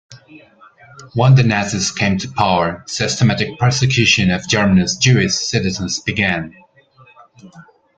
When the Nazis came to power, systematic persecution of Germany's Jewish citizens began.